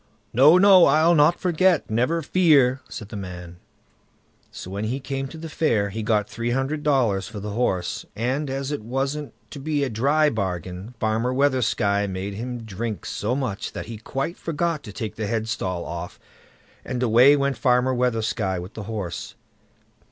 "No, no; I'll not forget, never fear", said the man. So when he came to the fair, he got three hundred dollars for the horse, and as it wasn't to be a dry bargain, Farmer Weathersky made him drink so much that he quite forgot to take the headstall off, and away went Farmer Weathersky with the horse.